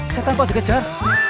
setan kau kejar